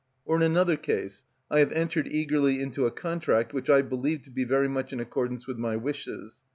Or in another case, I have entered eagerly into a contract which I believed to be very much in accordance with my wishes.